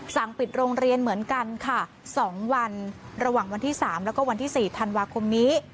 สั่งปิดโรงเรียนเหมือนกันค่ะ๒วันระหว่างวันที่๓แล้วก็วันที่๔ธันวาคมนี้